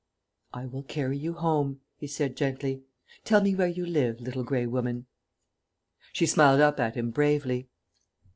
"I will carry you home," he said gently. "Tell me where you live, Little Grey Woman." She smiled up at him bravely.